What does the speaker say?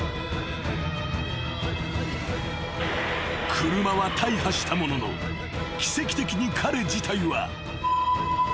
［車は大破したものの奇跡的に彼自体は］